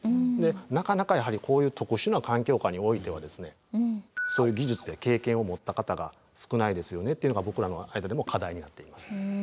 なかなかやはりこういう特殊な環境下においてはですねそういう技術や経験を持った方が少ないですよねっていうのが僕らの間でも課題になっています。